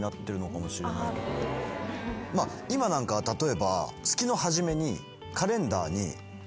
今なんかは例えば。